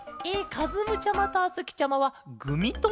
かずむちゃまとあづきちゃまはグミともケロね。